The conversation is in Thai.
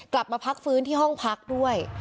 กลับมาพักฟื้นที่ห้องพักด้วย